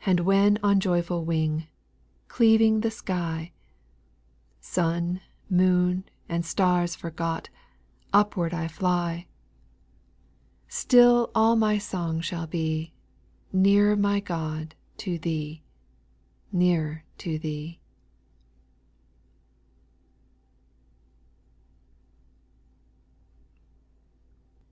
5. And when on joyful wing, Cleaving the sky ; Sun, moon, and stars forgot, Upward I fly ; SPIRITUAL SONQS, 88 Still all my song shall be, Nearer, my God, to Thee, Nearer to Thee